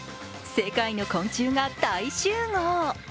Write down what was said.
世界の昆虫が大集合。